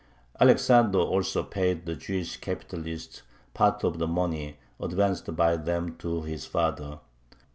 Alexander also paid the Jewish capitalists part of the money advanced by them to his father.